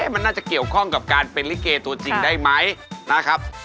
มันน่าจะเกี่ยวข้องกับการเป็นลิเกตัวจริงได้ไหมนะครับ